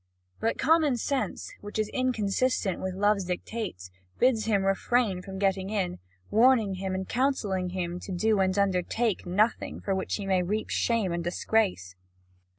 But common sense, which is inconsistent with love's dictates, bids him refrain from getting in, warning him and counselling him to do and undertake nothing for which he may reap shame and disgrace.